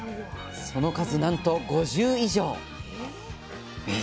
その数なんと５０以上え